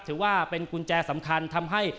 ถือว่าเป็นกุญแจสำคัญทำให้